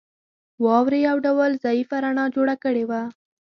واورې یو ډول ضعیفه رڼا جوړه کړې وه